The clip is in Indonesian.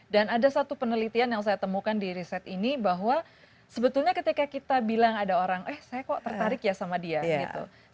dan ada satu penelitian yang saya temukan di riset ini bahwa sebetulnya ketika kita bilang ada orang eh saya kok tertarik ya sama dia gitu